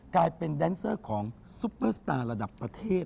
กลายเป็นแดนเซอร์ของซุปเปอร์สตาร์ระดับประเทศ